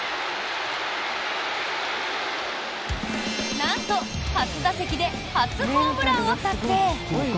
なんと初打席で初ホームランを達成！